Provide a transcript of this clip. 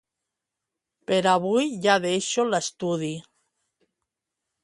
Per avui ja deixo l'estudi.